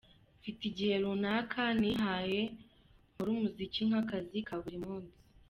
Mfite igihe runaka nihaye nkore umuziki nk’akazi ka buri munsi.